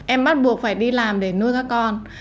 em bắt buộc phải đi làm để nuôi các con